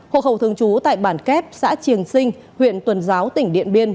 hộ khẩu thường trú tại bản kép xã triềng sinh huyện tuần giáo tỉnh điện biên